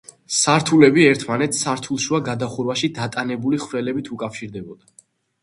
სართულები ერთმანეთს სართულშუა გადახურვაში დატანებული ხვრელებით უკავშირდებოდა.